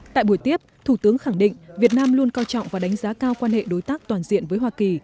tại buổi tiếp thủ tướng khẳng định việt nam luôn coi trọng và đánh giá cao quan hệ đối tác toàn diện với hoa kỳ